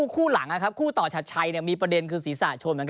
คู่หลังครับคู่ต่อชัดชัยมีประเด็นคือศีรษะชม